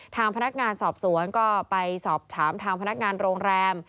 ทางพนักงานสอบสวนก็ไปสอบถามทางพนักงานโรงแรม